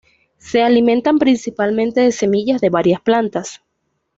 Se alimentan principalmente de semillas de varias plantas.